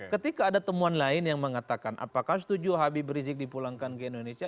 ketika ada temuan lain yang mengatakan apakah setuju habib rizik dipulangkan ke indonesia